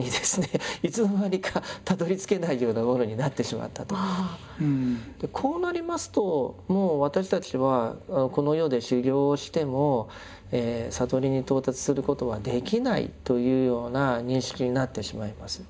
まあある意味でこうなりますともう私たちはこの世で修行しても悟りに到達することはできないというような認識になってしまいます。